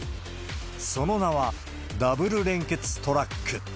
その名はダブル連結トラック。